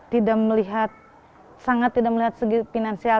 tidak melihat sangat tidak melihat segi finansial